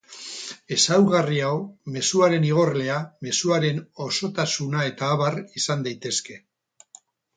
Ezaugarri hau, mezuaren igorlea, mezuaren osotasuna eta abar... izan daitezke.